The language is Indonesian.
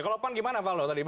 kalau pan gimana pak lo tadi